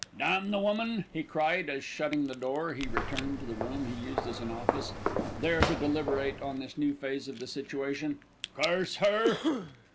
"Damn the woman!" he cried, as, shutting the door, he returned to the room he used as an office, there to deliberate upon this new phase of the situation. "Curse her!"